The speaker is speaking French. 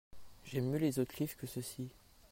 J'aime mieux les autres livres que ceux-ci.